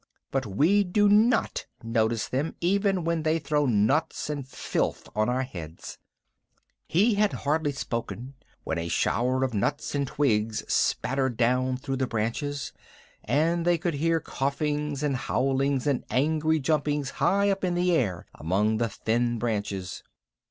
But we do not notice them even when they throw nuts and filth on our heads." He had hardly spoken when a shower of nuts and twigs spattered down through the branches; and they could hear coughings and howlings and angry jumpings high up in the air among the thin branches.